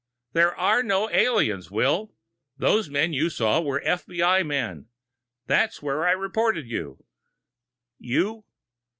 "There are no aliens, Will. Those men you saw were F. B. I. men. That's where I reported you." "You...."